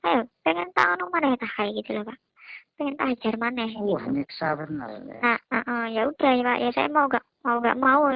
ya udah ya pak ya saya mau gak mau gak mau